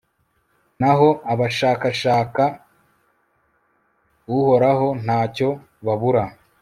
naho abashakashaka uhoraho nta cyo babura